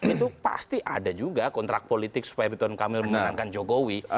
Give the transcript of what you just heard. itu pasti ada juga kontrak politik supaya rituan kamil memenangkan jokowi